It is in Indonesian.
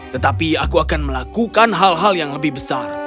tetapi aku akan melakukan hal hal yang lebih besar